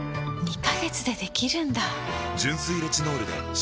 ２カ月でできるんだ！